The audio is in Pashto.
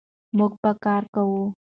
موږ به کار کوو.